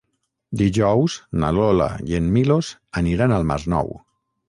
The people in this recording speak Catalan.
Dijous na Lola i en Milos aniran al Masnou.